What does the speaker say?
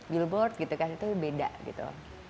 billboard gitu kan itu beda gitu